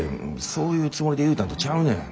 そういうつもりで言うたんとちゃうねん。